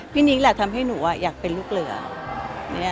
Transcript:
พี่นิ้งแหละทำให้หนูอ่ะอยากเป็นลูกเรือเนี่ยค่ะ